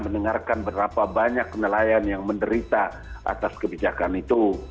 mendengarkan berapa banyak nelayan yang menderita atas kebijakan itu